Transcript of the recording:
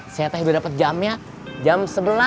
saya teh udah dapet jamnya jam sebelas